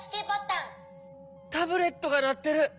タブレットがなってる！